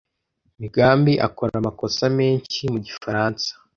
Migambi akora amakosa menshi mu gifaransa.